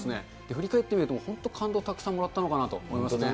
振り返ってみると本当に感動をたくさんもらったのかなと思いますね。